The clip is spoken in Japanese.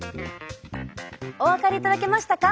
お分かりいただけましたか？